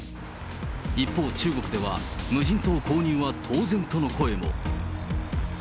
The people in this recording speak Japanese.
一方、中国では無人島購入は当然との声も。